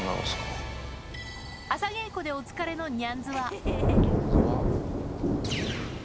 朝稽古でお疲れのニャンズは。